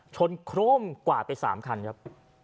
โคร่มกวาดไป๓คันครับ